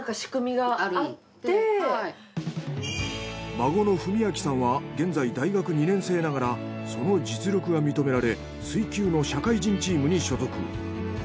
孫の史皓さんは現在大学２年生ながらその実力が認められ水球の社会人チームに所属。